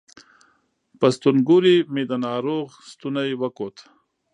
په ستونګوري مې د ناروغ ستونی وکوت